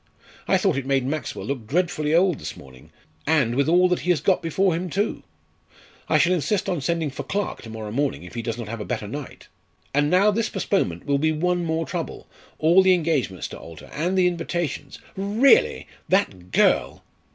I thought it made Maxwell look dreadfully old this morning, and with all that he has got before him too! I shall insist on sending for Clarke to morrow morning if he does not have a better night. And now this postponement will be one more trouble all the engagements to alter, and the invitations. Really! that girl."